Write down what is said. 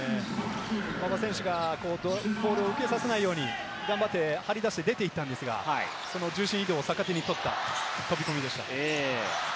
馬場選手がボールを受けさせないように張り出して出て行ったんですが、その重心移動を逆手に取った飛び込みでした。